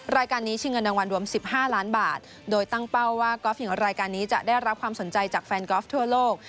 รายการนี้ชิงเงินรางวัลรวม๑๕ล้านบาทโดยตั้งเป้าว่ากอล์ฟหญิงรายการนี้จะได้รับความสนใจจากแฟนกอล์ฟทั่วโลก